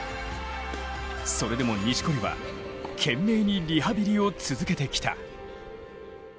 それでも錦織は懸命にリハビリを続けてきた。